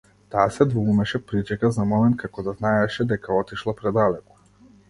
Таа се двоумеше, причека за момент, како да знаеше дека отишла предалеку.